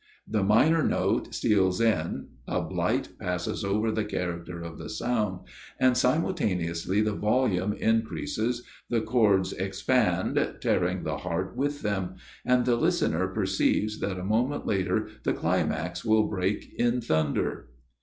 The minor note steals in ; a blight passes over the character of the sound ; and, simultaneously the volume increases, the chords expand, tearing the heart with them ; and the listener perceives that a moment later the climax will break in thunder."